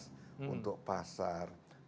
untuk pasar kemudian untuk transportasi